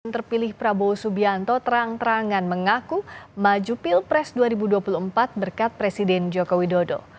terpilih prabowo subianto terang terangan mengaku maju pilpres dua ribu dua puluh empat berkat presiden joko widodo